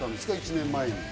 １年前に。